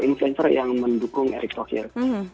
inflector yang mendukung eric thauhir